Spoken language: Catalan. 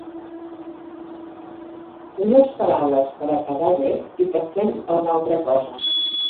Unes paraules per a quedar bé i passem a una altra cosa.